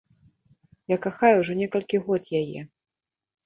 Я кахаю ўжо некалькі год яе.